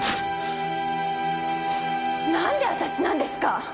なんで私なんですか！？